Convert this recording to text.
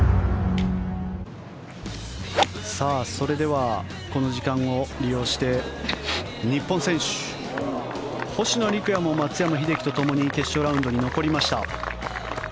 それでは、この時間を利用して日本選手星野陸也も松山英樹とともに決勝ラウンドに残りました。